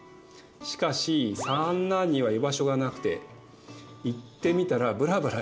しかし三男には居場所がなくて言ってみたらブラブラしている。